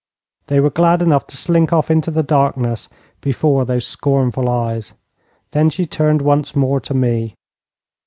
They were glad enough to slink off into the darkness before those scornful eyes. Then she turned once more to me.